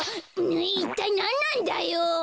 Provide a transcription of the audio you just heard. いったいなんなんだよ！